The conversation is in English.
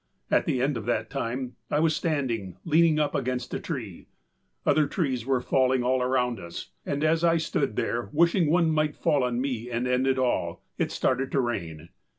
At the end of that time I was standing leaning up against a tree. Other trees were falling all around us, and as I stood there wishing one might fall on me and end it all, it started to rain.